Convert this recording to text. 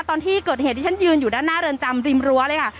ตอนที่เกิดเหตุที่ฉันยืนอยู่ด้านหน้าเรือนจำริมรั้วเลยค่ะ